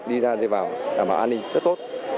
đi ra đi vào đảm bảo an ninh trí tự